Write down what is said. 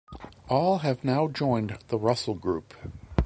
All have now joined the Russell Group.